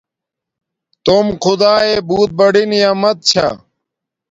توم خداݵݵ بوت بڑی نعمیت چھا